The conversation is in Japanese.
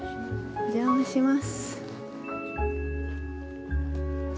お邪魔します。